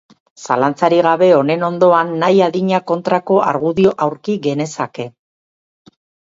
Zalantzarik gabe honen ondoan nahi adina kontrako argudio aurki genezake.